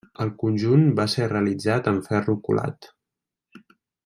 El conjunt va ser realitzat en ferro colat.